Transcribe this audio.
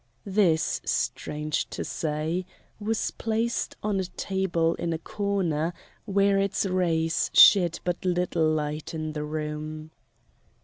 This, strange to say, was placed on a table in a corner where its rays shed but little light in the room.